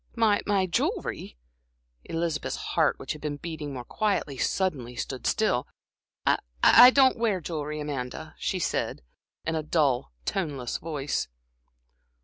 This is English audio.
"My my jewelry?" Elizabeth's heart, which had been beating more quietly, suddenly stood still. "I I don't wear jewelry, Amanda," she said, in a dull, toneless voice.